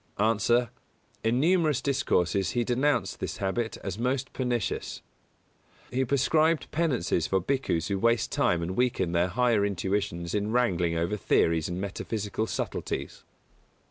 _ A. In numerous discourses he denounced this habit as most pernicious. He prescribed penances for Bhikkhus who waste time and weaken their higher intuitions in wrangling over theories and metaphysical subtleties.